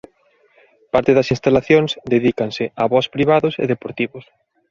Parte das instalacións dedícanse a voos privados e deportivos.